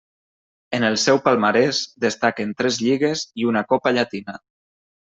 En el seu palmarès destaquen tres lligues i una Copa Llatina.